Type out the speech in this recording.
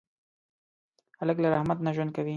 هلک له رحمت نه ژوند کوي.